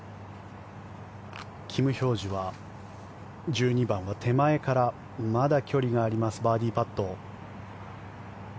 キム・ヒョージュは１２番は手前からまだ距離がありますバーディーパット。